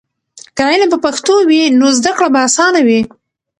که علم په پښتو وي نو زده کړه به آسانه وي.